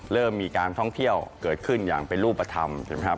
เริ่มมีการท่องเที่ยวเกิดขึ้นอย่างเป็นรูปธรรม